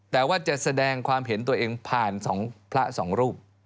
แต่ว่าจะแสดงความเห็นตัวเองผ่าน๒พระสองรูป